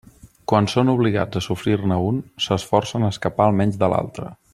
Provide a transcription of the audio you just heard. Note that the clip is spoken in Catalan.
Quan són obligats a sofrir-ne un, s'esforcen a escapar almenys de l'altre.